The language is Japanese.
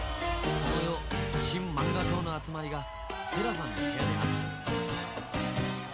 その夜新漫画党の集まりが寺さんの部屋であったあ。